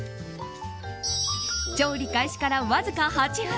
調理開始から、わずか８分。